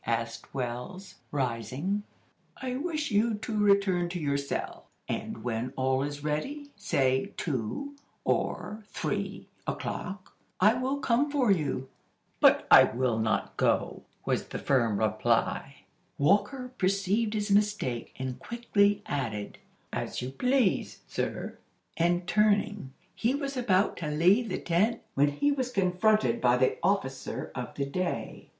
asked Wells, rising. "I wish you to return to your cell, and when all is ready, say two or three o'clock, I will come for you." "But I will not go!" was the firm reply. Walker perceived his mistake, and quickly added: "As you please, sir." And turning, he was about to leave the tent, when he was confronted by the "officer of the day."